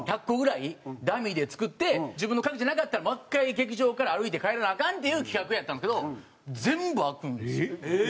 １００個ぐらいダミーで作って自分の鍵じゃなかったらもう１回劇場から歩いて帰らなアカンっていう企画やったんですけど全部開くんですよ。